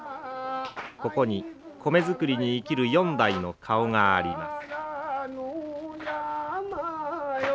ここに米作りに生きる４代の顔があります。